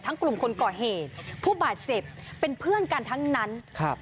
กลุ่มคนก่อเหตุผู้บาดเจ็บเป็นเพื่อนกันทั้งนั้นครับ